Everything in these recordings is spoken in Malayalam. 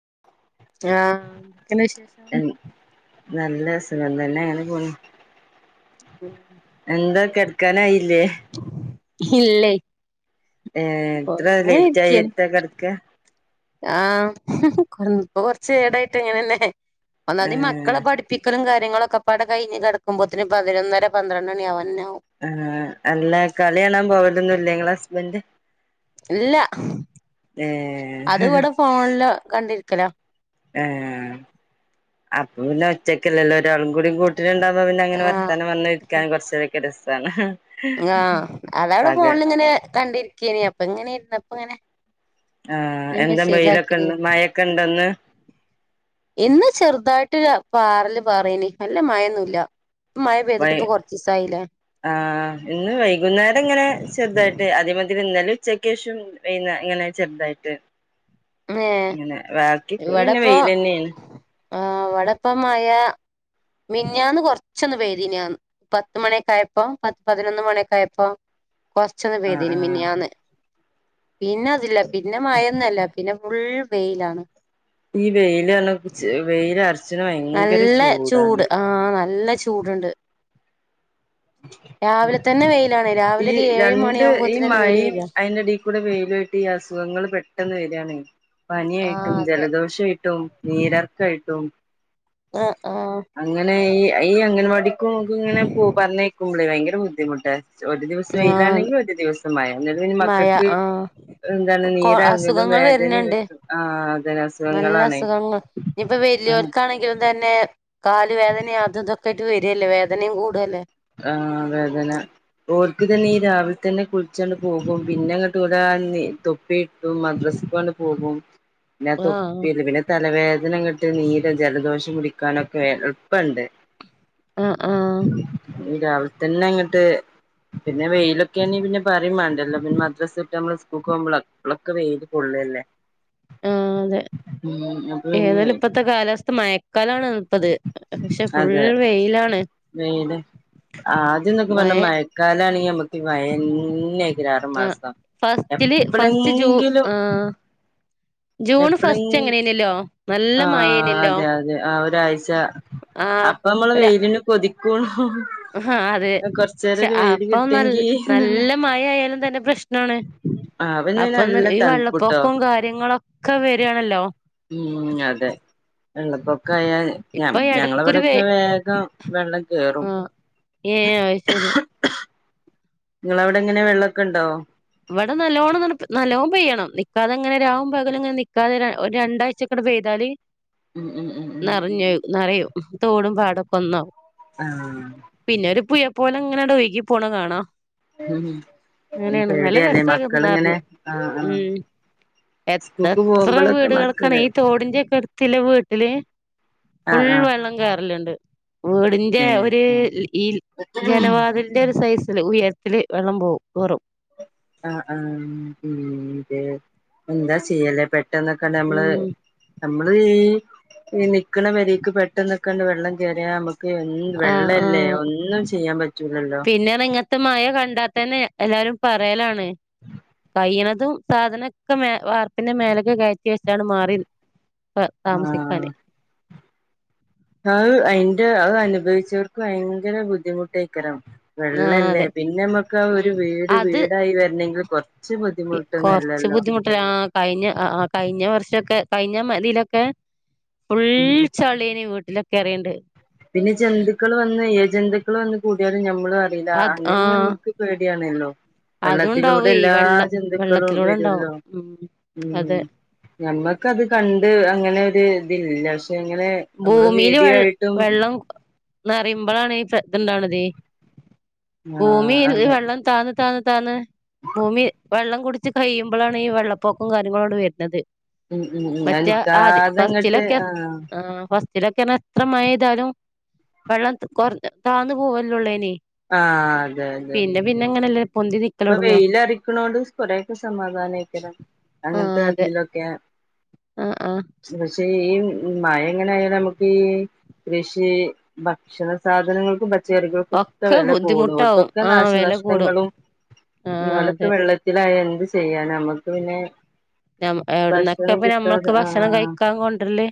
ആഹ് എന്തൊക്കേണ് വിശേഷം? നല്ലത് സുഖം തന്നെ. ഇങ്ങനെ പോണ്. ഉം. എന്താ കെടക്കാനായി ലേ ഇല്ലെയ് ഏ ഇത്ര ലേറ്റ് ആയിട്ട കെടക്ക? ആഹ് കൊറ ഇപ്പൊ കൊറച്ച് ഏടായിട്ട് ഇങ്ങനന്നേ. ഏ ഒന്നാത് ഈ മക്കളെ പഠിപ്പിക്കലും കാ ര്യങ്ങളൊക്കെ പാടെ കയ്ഞ്ഞ് കെടക്കുമ്പോത്തിന് പതിനൊന്നര പന്ത്രണ്ട് മണിയാവും. ഒന്നു ആ അല്ല കളി കാണാൻ പോവലൊന്നും ല്ലേ ഇങ്ങളെ ഹസ്ബൻഡ്? ഇല്ല ഏ അത് ഇവിടെ ഫോണില് കണ്ടിരി ക്കലാ ഏഹ് അപ്പൊ പിന്നെ ഒറ്റക്കല്ലല്ലോ ഒരാളും കൂടി കൂട്ടിനിണ്ടാവുമ്പോ പിന്നെ അങ്ങനെ ആഹ് വർത്താനം പറഞ്ഞിരിക്കാൻ കൊറച്ചേരൊക്കെ രസ താണ് ആഹ് അതവ്ടെ ഫോണിലിങ്ങനെ കണ്ടിരിക്കേനി അപ് അപ്പെ ഇങ്ങനെ ഇര്ന്നപ്പങ്ങനെ ആഹ് എന്താ വെയിലൊക്കെ ഇണ്ട് മയൊക്കെ ഇണ്ടെന്ന് ഇന്ന് ചെറുതായിട്ട് പാറല് പാറിനി അല്ല മയൊന്നുല്ല വൈ ആഹ് ഇന്ന് വൈകുന്നേരം ഇങ്ങനെ ചെറുതായിട്ട് അതേമാതിരി ഇന്നലേം ഉച്ചക്ക്യേഷം വൈന്നാ ഇങ്ങനെ ചെറുതായിട്ട് ഏഹ് അങ്ങനെ വാക് ഇവിടെപ്പോ ആ ഇവടെപ്പ മയ മിൻഞാന്ന് കൊറച്ചൊന്ന് പെയ്തീന് [unintelligible] പത്ത്മണിയൊക്ക ആയപ്പോ പത്ത് പതിനൊന്ന് മണിയൊക്കെ ആയപ്പോ കൊറച്ചൊന്ന് ആഹ് പെയ്തീന് ആഹ് മിനിയാന്ന് പിന്നെ അതില്ല പിന്നെ മയന്നൊല്ല ന്നെ ഫുൾ വെയ്ലാണ് ഈ വെയില് വെയില് അർച്ച്നഹ് വ നല്ല ചൂട് ആ നല്ല ചൂട്ണ്ട് വെയിലാണ് ഈ രാവിലെ ഒരു ഏഴ് രണ്ട് ഈ മണിയാകുമ്പോത്തിനന്നെ വെയില് മഴയും വരാ അയ്ന്റെടീ കൂടെ വെയ്ലും ആയിട്ട് ഈ അസുഖങ്ങള് പെട്ടെന്ന് വര യണ് ആ പനിയായിട്ടും അതെ ജലദോഷ ആയിട്ടും നീരർക്കായി ആ ആ അങ്ങനെ ഈ ഈ അംഗൻവാടി [unintelligible] ഇങ്ങനെ പോ പറഞ്ഞ ളെ ഭയങ്കര ബദ്ധിമുട്ടാ ഒരു ദിവസം ആ വെയിലാണെങ്കി ഒരു ദിവസം മഴ എന്നിട് നി മഴ മക്കൾക്ക് ആ എന്താണ് കൊ നീര് അർങ്ങലും അസുഖങ്ങൾ വേദനിം വരുന്നുണ്ട് വെര്തൊക്കെ ആതന്നെ നല്ല അസുഖങ്ങളാണ് അസുഖങ്ങൾ ഇനിയിപ്പോ ആ വലിയോർക്കാണെങ്കിലും തന്നെ കാല് വേദന അതുംതോക്കെ വരല്ലേ വേദനിം കൂടല്ലേ ആ വേദന ഓൽക്ക്ത് നീരാ തന്നെ കുളിച്ചണ്ട് പോകും പിന്നെ [unintelligible] തൊപ്പി ഇട്ടും മദ്രസക്കണ്ട് പോകും പിന്നെ ആഹ് തൊപ്പില്ലേ പിന്നെ തലവേദ [unintelligible] കെട്ട് നീരെ ജലദോഷം പിടിക്കാനൊക്കെ എൾപ്പണ്ട് അ ആ രാവിൽ തന്നെ അങ്ങട്ട് പിന്നെ വെയിലൊക്കെ ആണെങ്കി പിന്നെ പറയും വേണ്ടല്ലോ പിന്നെ മദ്രാസട്ട് നമ്മള് സ്കൂൾക്ക് പോകുമ്പോളോക്കെ വെയ്ല് കൊള്ളല്ലേ ആ അതെ പിന്നെ ഏതായാലും ഇപ്പത്തെ കാലാവസ്ഥ മയക്കാലാണ് ഇപ്പത് പക്ഷെ ഫുള്ള് വെയ്ലാണ് വെയ്ല് ആദ്യംന്നൊക്കെ മഴ പറഞ്ഞ മഴക്കാല [unintelligible] മഴ ന്നെ ആറ് ആഹ് മാസം ഫസ്റ്റില് ഫസ്റ്റ് ജൂ എപ്പലേങ്കിലും ആഹ് ജൂൺ ഫസ്റ്റ് എങ്ങനേന്നല്ലോ നല്ല ആഹ് മഴേനല്ലോ അതെ [unintelligible] ആഹ് അപ്പൊ നമ്മള് ഒര് വെയ്ലിന് കൊതിക്കും ആഹ് അതെ കൊർച്ച് ഏരം പക്ഷെ ഒരു വെയ്ല് അപ്പൊ നൽ കിട്ടെങ്കി നല്ല മഴ ആയാലും തന്നെ പ്രശ്നാണ് ന്ന്ള്ളെ അപ്പൊ നല്ല ഈ തണ്പുട്ടോ വെള്ളപ്പൊക്കവും കാര്യങ്ങളൊക്കെ വരാണല്ലോ ഉം അതെ വെള്ളപോ ക ഞ ഇപ്പൊ ഞങ്ങള് എടക്കൊരു വെ വ്ടെക്കെ വേഗം വെള്ളം കേറും ആഹ് ഏഹ് അത് ശരി നിങ്ങള അവിടെ എങ്ങനെയെ വെള്ളമൊക്കെ ഉണ്ടാവോ ഇവിടെ നല്ലോണം പെയ്യണം നിൽക്കാതെ ഇങ്ങനെ രാവും പകലും ഇങ്ങനെ നിക്കാതെ ഒരു രണ്ടാഴ്ചക്കടെ പെയ്താല് ഉം ഉം ഉം ഉം നിറഞ്ഞു നിറയും തോടും പാടൊക്കെ ഒന്നാവും ആഹ് ഹ പിന്നെ ഒരു പുഴ പോലെ ഇങ്ങനെ അങ്ങട് ഒഴകി പോണെ കാണാം മ്മ് അങ്ങനെയാണ് നല്ല രസ നിറഞ്ഞ് മ്മ് സ്കൂൾക്ക് എത്ര പോകുമ്പോഴൊക്കെ വീടുകൾക്കാണ് മക്കള് ഈ തോടിന്റെക്കെ എടുത്ത് ചില വീട്ടില്- ഫുൾ ആഹ് ആഹ് വെള്ളം കേയറലുണ്ട് വീടിന്റെ ഒരു ഈ ജനവാതിലിന്റെ ഒരു സൈസ് ഉയരത്തില് വെള്ളം പോവും കേറും ആഹ് ആഹ് മ്മ് എന്താ ചെയ്യുവാ അല്ലേ പെ ട്ടന്നൊക്കെ നമ്മള് ഉം നമ്മള് ഈ ഈ നിക്കണ വരിക്ക് പെട്ടന്നൊക്കെ അങ്ങട് വെള്ളം കയറിയാൽ നമക്ക് ആഹ് ആഹ് ചെയ്യാൻ പറ്റൂലല്ലോ പിന്നെ ഇങ്ങത്തെ മഴ കണ്ടാത്തന്നെ എല്ലാരും പറയലാണ് കയ്ണതും സാധനക്കെ മേ വാർപ്പിന്റെ മേലൊക്കെ കയറ്റി വെച്ചാണ് മാറി ആ താമസിക്കാന് അ അതിന്റെ അ അനുഭവിച്ചവർക്ക് ഭയങ്കര ബുദ്ധിമുട്ടായിക്കരും ആഹ് വെള്ളല്ലേ അതെ പിന്നെ നമുക്ക് ആ ഒരു ഉം വീട് അത് വീടായി വരണെങ്കിൽ കൊറച്ച് കൊറച്ച് ബുദ്ധിമുട്ടൊന്നല്ലല്ലോ ബുദ്ധിമുട്ടില്ല ആ കഴിഞ്ഞ ആ കഴിഞ്ഞ വർഷൊക്കെ കഴിഞ്ഞ മ ഇതിലൊക്കെ ഫുൾ ഉം ഉം ചളിയാന് വീട്ടില് കേറിയണ്ട് പിന്നെ ജന്തുക്കൾ വന്ന് ഇഴ ജന്തുക്കൾ വന്ന് കൂടിയാലും ഞമ്മക്ക് അ അത് അങ്ങനെ ആഹ് ഞമ്മക്ക് പേടിയാണല്ലോ വെള്ളത്തിലൂടെ അതുണ്ടാവേ എല്ലാ വെള്ളം ജന്തുക്കളും വെള്ളത്തിലൂടെ ഉണ്ടാവും വരുമല്ലോ ഉം മ്മ് അതെ ഞമ്മക്കത് കണ്ട് അങ്ങനെ ഒരു ഇതില്ല പക്ഷേ പക്ഷെ എങ്ങനെ നമ്മള് ഭൂമിയില് വെ പേടിയായിട്ട് വെള്ളം നിറയുമ്പോഴാണ് ഈ ഇത്ണ്ടാവണതെ ഭൂമി ആഹ് ഇനി അതെ വെള്ളം താ താന്ന് താന്ന് ഭൂമി വെള്ളം കുടിച്ച് കഴിയുമ്പോഴാണ് ഈ വെള്ളപ്പൊക്കം കാര്യങ്ങളോട് വരുന്നത് ഉം ഉം ഉം മറ്റേ ആദ്യ അനിക്കാതെങ്ങോട്ട് ഫസ്റ്റിലൊക്കെ ആ ആ ഫസ്റ്റിലൊക്കെ എത്ര മഴ പെയ്താലും വെള്ളം കൊർഞ താന്നു പോവല്ലോള്ളൈനി ആഹ് അതെ അതെ അങ്ങനെല്ലേ പൊന്തി ഇപ്പൊ നിക്കലൊടങ്ങാ വെയിലാറിക്കണോട് കൊറെക്കെ സമാധാനായിക്കണ് ആ അങ്ങനത്തെ അതെ തരത്തിലൊക്കെ ആ ആ പക്ഷെ ഈ മഴ എങ്ങനെ ആയാല് നമുക്ക് കൃഷി ഭക്ഷണ സാധനങ്ങൾക്ക് മറ്റ് ചെറികക്കൊക്കെ ഒക്കെ വെല കൂടും ബുദ്ധിമുട്ടാവും അവർക്കൊക്കെ ആ വെല കൂടും നാശനഷ്ടങ്ങളും ആ മലത്ത് അതെ വെള്ളത്തിലായ എന്ത് ചെയ്യാനമ്മ നമുക്ക് പിന്നെ എവിടന്നൊക്കെ ഭക്ഷണം ഇപ്പ കിട്ടാതെ നമ്മക്ക് ഭക്ഷണം ആഹ് കഴിക്കാൻ കൊണ്ടര്ല്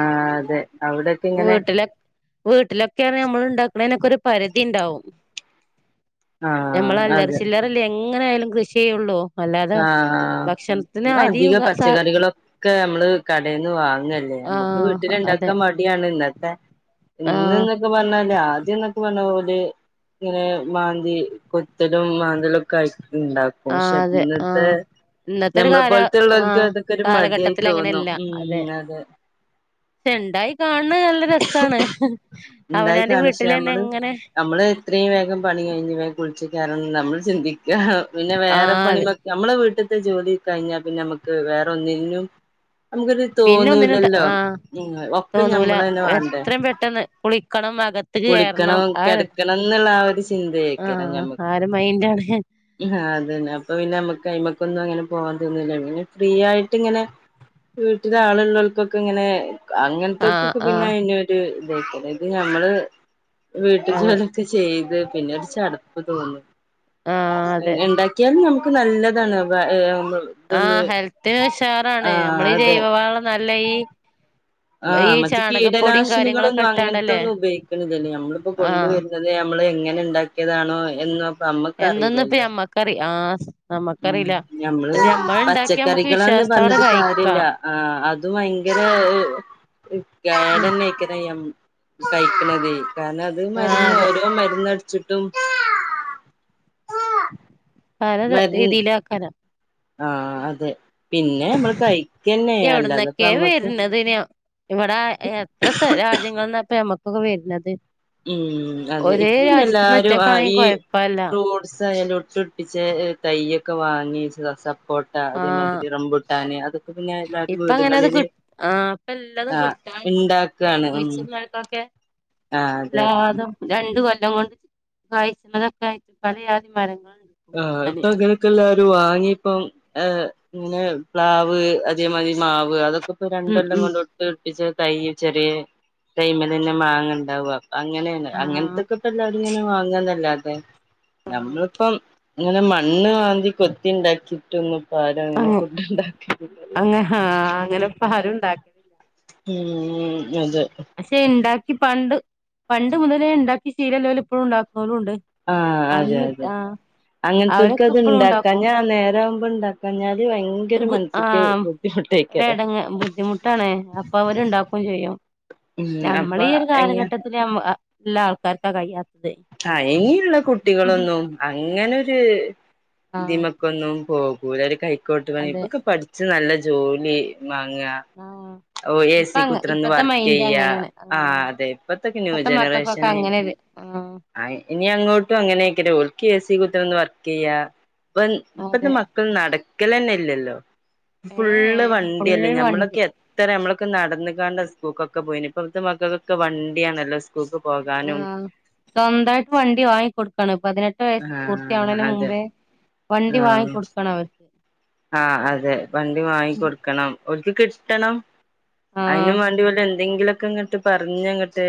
ആഹ് അതെ അവിടൊക്കെ ഇങ്ങനെ വീട്ടിലേ വീട്ടിലൊക്കെയാണ് നമ്മൾ ഇണ്ടാക്കണേനൊക്കൊരു പരിതിണ്ടാവും ആഹ് ഞമ്മളല്ലറ അതെ ചില്ലറല്ലേ എങ്ങനായാലും കൃഷി ചെയ്യുള്ളു അല്ലാതെ ആഹ് ഭക്ഷണം അധികം പച്ചക്കറികളൊക്കെ നമ്മള് കടയിന്ന് വാങ്ങല്ലേ ആ നമ്മുക്ക് അതെ വീട്ടിലിണ്ടാക്കാൻ മടിയാണ് ഇന്നത്തെ ആ ഇന്ന് എന്നൊക്കെ പറഞ്ഞല് ആദ്യം എന്നൊക്കെ പറഞ്ഞ ഓര് ഇങ്ങനെ മാന്തി കൊത്തലും മാന്തലൊക്കെ ആയി ഉണ്ടാക്കും ആ ശെ അതെ ആ ഇന്നത്തെ ഇന്നത്തെ ഒരു നമ്മളെ കാല പോൽത്തെ ആ ഉള്ളോർക്ക് അതൊക്കെ ഒരു മടിയായി കാലഘട്ടത്തിൽ തോന്നും ഉം അതെ ചെണ്ടായി കാണ ഉണ്ടായി അവനാന്റെ കാണിച്ച വീട്ടിലന്നെ നമ്മള് എങ്ങനെ നമ്മള് എത്രേം വേഗം പണി കഴിഞ്ഞു കുളിച്ച് കേറണം നമ്മൾ ചിന്തി പിന്ന ആ വേറെ അതെ പണിമൊക്കെ നമ്മള് വീട്ടി ത്തെ ജോലി കഴിഞ്ഞാ പിന്നെ നമുക്ക് വേറെ ഒന്നിനും നമുക്കത് പിന്നെ ഒന്നിനും ത- തോന്നൂലല്ലോ ആ ഒക്കെ ഞ തോന്നൂല എത്രയും പെട്ടെന്ന് കുളിക്കണം അകത്ത് കേറണം കുളിക്കണം ആ കെടക്കണംന്ന് ള്ളാഒരു ശ് ആ ചിന്തേക്കെയാ ആ നമുക്ക് ഒരു മൈൻഡാണ് അതന്നെ അപ്പ പിന്നെ നമുക്ക് അയ്മ ന്നും അങ്ങനെ പോവാൻ തോന്നൂല്ല ഇങ്ങനെ ഫ്രീ ആയിട്ട് ഇങ്ങനെ വീട്ടിലാ ളുള്ളോർക്കൊക്കെ ഇങ്ങനെ ആ അങ്ങനത്തക്കൊക്കെ ആ പിന്നെ അയിനൊരു അത ഇത് നമ്മള് വീട്ടു അതെ ജോലിയൊക്കെ ചെയ്ത് പിന്നെ ഒരു ചടപ്പ് തോന്നുന്നു ആ അതെ ഉണ്ടാക്കിയാലും നമ്മ നല്ലതാണ് ആഹ ഇതൊന്ന് ഹെൽത്തി ഉഷാറാണ് ആ നമ്മൾ അതെ ജൈവവാളം നല്ല ഈ ആഹ ഈ മറ്റേ ചാണകപ്പൊടിയും കീടനാശിനികളൊന്നും കാര്യങ്ങളൊക്കെ ഇട്ടാണ്ടല്ലേ അങ്ങനത്തെൊന്നും ഉപയോഗിക്കണതല്ലേ നമ്മളിപ്പോ ആ കൊണ്ടുവരുന്നത് നമ്മൾ എങ്ങനെ ഉണ്ടാക്കിയതാണോ എ എന്തന്നപ്പ അമ്മക്കറി ആഹ് ഉം ഞമ്മള് നമ്മുക്ക് പച്ചക്കറികളന്ന് വിശ്വാസത്തോടെ പറഞ്ഞിട്ട് കാര്യമില്ല കഴിക്കാം ആ അതും ഭയങ്കര ഉം കേടന്നൊയിക്കുന്ന സൈക്ക് നതി കാരണം അത് ആ മരുന്ന് അതെ ഓരോ മരുന്ന് ചിട്ടും [unintelligible] അ രീതിയില ആാക്കാന ആഹ അതെ പിന്നെ നമ്മള് കഴക്ക്ന്നെ അല്ല അതപ്പ എവിടന്നൊക്കെ നമ്മക്ക് വരുന്നത് ഇനി ഇവിടെ എത്ര രാജ്യങ്ങളൾന്നപ്പ നമ്മക്ക് ൊക്കെ വരത് ഉം അതെ ഇപ്പൊ പിന്നെ എല്ലാരും ആ ഒറ്റക്കാണെങ്കി ഈ കൊഴപ്പല്ല ഫ്രൂട്ട്സ് അല്ലാം ഒട്ടടിപ്പിച്ച തയ്യൊക്കെ വാങ്ങിച്ചോ കോട്ട ആ അതേമാതിരി റംബുട്ടാന അതൊക്കെ പിന്നെ എല്ലരും ഇപ്പ അങ്ങനെ അത് വീടുകളില് കിട്ട ആ ഇപ്പ എല്ലാതും ആ കിട്ടാണ്ട് ഉണ്ടാക്കയാണ് ഉ കുഴിച്ചിടണോൽക്കൊക്കെ എല്ലാതും രണ്ട എല്ലാംണ്ട് ക അതൊക്കെ ആായിട്ടും പല ആയാധി മരങ്ങൾ [unintelligible] ആഹ ഇപ്പ ഗനക്കല്ല വാങ്ങപ്പ ഇെ പ്ലാവ് അതെ മാതിരി മാവ് അൊെ ഇ ഉം രണ്ടെല്ലാം ഉം കൊണ്ട് ഇട്ട് പ്പിച്ച തൈ ചെറിയ കൈ്മൽ തന്നെ മാങ്ങ ഉണ്ടാവുക അങ്ങനെയന്നെ അങ്ങനത്തൊക്കെപ്പോ എല്ലാവും ഇങ്ങനെ വാങ്ങാന്നല്ല അ ആ നഞമ്മളിപ്പം അങ്ങനെ മണ്ണ് വാന്തി കൊത്തി ഇണ്ടാക്കിട്ടൊന്നും അങ്ങ് അങ്ങ് ആഹ് അങ്ങനെപ്പാരുണ്ടാ [unintelligible] ഉം അതെ പക്ഷെ ഉണ്ടാക്കി പണ്ട് പണ്ട് മുതലേ ഇണ്ടാക്കി ശീലല്ലോല് ഇപ്പളും ഉണ്ടാ ആഹ അതെ അതെ അങ്ങനത്തക്ക അവരൊക്കെ അത് ഇപ്പഴും ഇണ്ടാക്കാ ഉണ്ടാക്കും ഞാ നേരം ഉണ്ടാക്കഞാൽ ഒരു ബു ആഹ് ഒരെട്ങ്ങ് ബുദ്ധിമുട്ടാണ് അപ്പൊ അവരുണ്ടാക്കും ചെയ്യും. ഉം ഞമ്മള് അപ്പൊ ഈ ഒരു എങ്ങ കാലഘട്ടത്തില് ഞം അ ലാർക്കാർക്കാ കൈയത അഴങ്ങിയുള്ള കുട്ടികളൊന്നും അങ്ങനെ രെ ആഹ് ഇതിമക്കൊന്നും പോ പുരാരി കായി കോട്ട്ണ അതെ ഇപ്പൊക്കെ പഠിച്- നല്ല ജോലി മാങ്ങ ആഹ് ഓ ഇപ്പ എസി അങ്ങ കുത്രന്ന് ഇപ്പത്തെ മൈൻഡ് വർക്ക്ചെയ്യാ അങ്ങനേണ് ആഹ് അതെ ഇപ്പത്തക്കെ ന്യൂ ഇപ്പത്തെ മക്കക്കൊക്കെ ജനറേഷന് അങ്ങനൊരു ആഹ് ഇനി അങ്ങോട്ടും അങ്ങനെ അയ്കരം ഓൽക് എസി കുത്തര്ന്ന് വർക്ക് ചെയ്യ ഇപ്പ ഇപ്പത്തെ അതെ മക്കൾ നട- ക്കലന്നെ ഇല്ലല്ലോ ഫുള്ള് ഏഹ് വണ്ടി ഫുൾ അല്ലേ വണ്ടി ഞമ്മളൊക്കെ എത്രെ ഞമ്മള് നടന്നുകണ്ട സ്കൂക്കൊക്കെ പോയിന് ഇപ്പഴത്തെ മകൾക്കൊക്കെ വണ്ടിയാണല്ലോ സ് സ്കൂളിക്ക് പോകാനും ആഹ് സ്വന്തായിട്ട് വണ്ടി വാങ്ങി കൊടുക്കാണ് പതിനെട്ട് വയസ്സ് ആഹ് പൂർത്തിയാവണേന് അതെ മുമ്പേ വണ്ടി വാങ്ങി കൊടുക്കണം അവർക്ക് ആ അതെ വണ്ടി വാങ്ങി കൊടുക്കണം ഒർക്ക് കിട്ടണം ആഹ് അയ്നും വാണ്ടി ഓല് എന്തെങ്കിലു ക്കങ്ങട്ട് പറഞ്ഞങ്ങട്ട്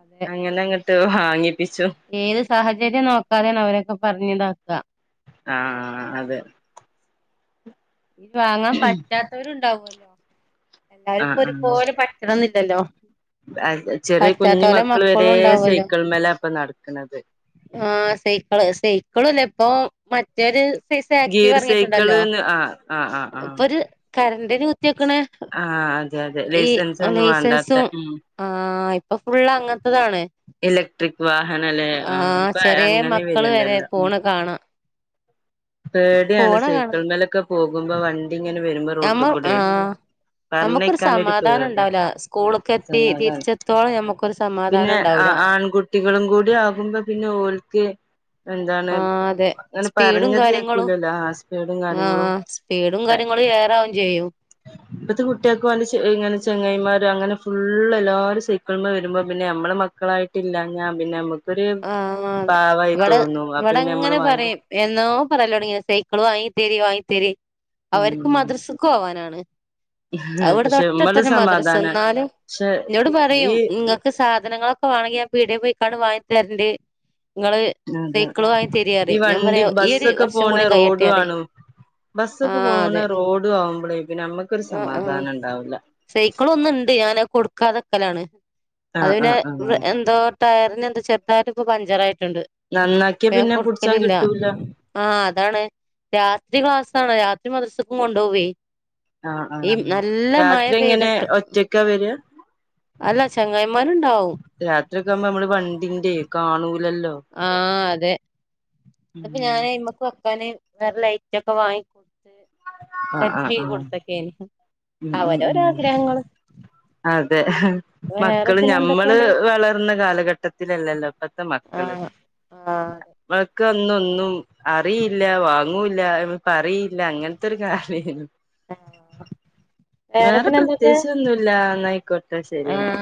അതെ അങ്ങെനങ്ങ് ഹ് വാങ്ങി ഏത് സാഹചര്യം നോക്കാതെയാണ് അവരൊക്കെ പറഞ്ഞു ഞ്ഞ് ഇതാക്ക ആഹ ആ അതെ ഇത് വാങ്ങാൻ പറ്റാത്തവരുണ്ടാവല്ലോ ഹലോ എല്ലാരും ആഹ് ഇ ആഹ് ഒരുപോലെ പറ്റണം ല്ലല്ലോ [unintelligible] ചെറിയ കുഞ്ഞു മക്കൾ വര ഉണ്ടാവുമല്ലോ സൈക്കിൾ മല അപ്പൊ നടക്കണത് പ്പോ മറ്റൊരു സൈസ് ആക്റ്റീവ് ഗീർ ഇറങ്ങിയിട്ടുണ്ടല്ലോ സൈക്കിള്ന്ന് ആ ആഹ് ആഹ് ആ കരണ്ടിനു ക്കണ ആ അതെ അതെ ഈ ലൈസൻസ് ഒന്നും വേണ്ടാത്ത ലൈസൻസും ഉം ആ അപ്പൊ ഫുള്ള് അങ്ങനത്തെതാണ് ഇലക്ട്രിക് വാഹനല്ലേ ആ ആഹ് അപ്പൊ ചെറിയ അങ്ങനെ മക്കള് വരെ വരുണ്ടല്ലോ പോണ് കാണാം പേടിയാണ് പോണ കാണാ സൈക്കിൾ മേലൊക്കെ പോ [unintelligible] നമ്മ ആ നമുക്കൊരു പറഞ്ഞേക്കാനൊരു സമാധാനം പേടിയാ ഉണ്ടാവല സ്കൂളക്ക എത്തി സമാധാനം തിരിച്ചെത്തോള ഞമ്മുക്കൊരു സമാധാനം ഉണ്ടാവൂല നിങ്ങളും കൂടി ആകുമ്പോ പിന്നെ ഓൾക്ക് ആ അതെ സ്പീഡും ക കേക്കുലല്ലോ സ്പീടും കാര്യങ്ങളും സ്പീഡും കാര്യങ്ങളും ഏറാവും ചെയ്യും ഇപ്പത്തെ കുട്ടികൾക്ക് ഇങ്ങനെ ചെങ്ങായിമാർ- അങ്ങനെ ഫുള് എല്ലാവരും സൈക്കിളിനമേ വരുമ്പോ പിന്നെ നമ്മടെ മക്കളായിട്ടില്ല ഞാൻ പിന്നെ- നമ്മുക്കൊരു ആ അതെ പാവായി ഇവിടെ തോന്നും അപ്പൊ ഇവിടെ പിന്നെ നമ്മള് എങ്ങനെ വായി പറയും എന്നോ പറയല് - സൈക്കള് വാങ്ങി തരി വാങ്ങി തരി അവർക്ക് ഉം മദ്രസക്ക് പോവാനാണ് അവിടെ പക്ഷെ നമ്മള് തൊട്ടടുത്താണ് മദ്രസ സമാധാന എന്നാലും പക്ഷെ എന്നോട് പറയും ഈ നിങ്ങൾക്ക് സാധനങ്ങളൊക്കെ വാണെങ്കിൽ ഞാൻ പീടിയെ പോയി- കടവാ- തെരണ്ട് നിങ്ങള് അതെ സൈക്കിള് വാങ്ങി തരിക ഈ പറയും ഞാൻ വണ്ടി പറയാ ഈ ഒരു ബസ്സൊക്കെ വർഷം കൂടി പോണ കയട്ടെ റോഡും പറയും ആണ് ആ ബസ്സൊക്കെ പോണ അതെ റോഡും ആവുമ്പോളേ പിന്നെ നമ്മക്കൊരു ആ ആ സമാധാനം ഉണ്ടാവൂല്ല സൈക്കിള് ഒന്ന് ഉണ്ട് ഞാൻ അത് കൊടു- വാതാക്കലാണ് അത് ആഹ് പിന്നെ ആഹ് ആഹ് എന്തോ ടയറിന് എന്താ ചെറി - ഡയർറ് ഇപ്പൊ പഞ്ചറായി ഇണ്ട് നന്നാക്കിയ ഞാൻ പിന്നെ പുടിച്ചാൻ കൊടുക്കലില്ല കിട്ടൂല ആ അതാണ് രാത്രി ക്ലാസ്- മദ്രസക്കും കൊണ്ടുപോകുവെ ആ ആ് രാത്രി എങ്ങനെ പെയ്തിട്ട് ഒറ്റക്കാ വര അല്ല ചങ്ങായിമാരുണ്ടാവും രാത്രിയക്കെ ആകുമ്പോ നമ്മള് വണ്ടിന്റെ കാണൂ ആഹ് അതെ അപ്പ ഞാനയ്മക്ക് പിന്നെ വേറെ ലൈറ്റ് ഒക്കെ വാങ്ങി ആ ആ സെറ്റാക്കി ആ കൊടുത്തൊക്കേനി ഉ ഉ ഉ അവരവരെ ആഗ്രഹങ്ങള് അതെ വേറെ മക്കള് പിന്നെ ഞമ്മള് എന്തൊക്കെയുണ്ട് വളർന്ന കാലഘ ട്ടത്തിലല്ലല്ലോ മക്കള് ആഹ് ആഹ് ന്നൊന്നും അറിയില്ല വാങ്ങൂ പറയില്ല തൊക്കെ രു കാലേനു അതന്നെ വേറെ പ്രത്യകിച്ച് ഒന്നുമല്ല എന്നായിക്കോട്ടെ ശരിയന്ന ആഹ്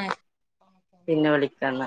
പിന്നെ വിളിക്കന്ന